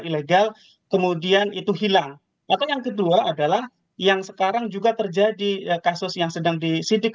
ilegal kemudian itu hilang maka yang kedua adalah yang sekarang juga terjadi kasus yang sedang disidik